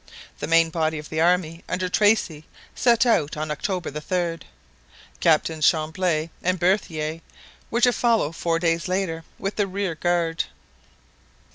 The main body of the army under Tracy set out on October 3. Captains Chambly and Berthier were to follow four days later with the rear guard.